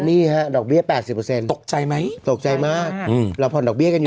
นี่ฮะดอกเบี้ยแปดสิบเปอร์เซ็นต์ตกใจไหมตกใจมากอืมเราผ่อนดอกเบี้ยกันอยู่